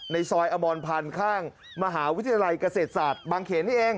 ในซอยอมรพันธ์ข้างมหาวิทยาลัยเกษตรศาสตร์บางเขนนี่เอง